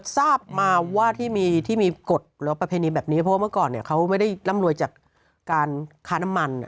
ทราบมาว่าที่มีที่มีกฎหรือประเพณีแบบนี้เพราะว่าเมื่อก่อนเขาไม่ได้ร่ำรวยจากการค้าน้ำมัน